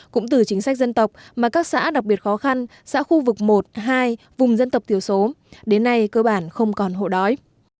cũng từ chính sách dân tộc mà các xã đặc biệt khó khăn xã khu vực một hai vùng dân tộc thiểu số đến nay cơ bản không còn hộ đói